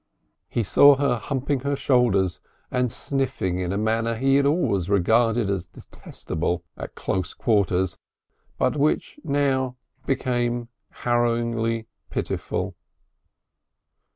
He saw her humping her shoulders and sniffing in a manner he had always regarded as detestable at close quarters, but which now became harrowingly pitiful.